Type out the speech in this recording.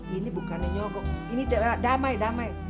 ini bukan nyogok ini damai damai